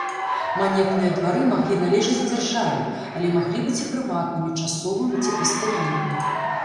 Манетныя двары маглі належыць дзяржаве, але маглі быць і прыватнымі, часовымі ці пастаяннымі.